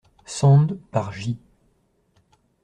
Sand, par J.